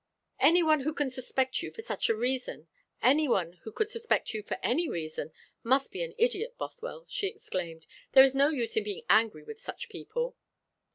"Any one who can suspect you for such a reason any one who could suspect you for any reason must be an idiot, Bothwell," she exclaimed. "There is no use in being angry with such people."